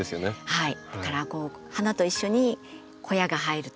はい。